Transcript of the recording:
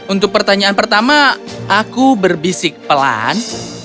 untuk pertanyaan pertama aku berbisik pelan